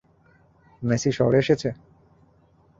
ম্যেসি শহরে এসেছে?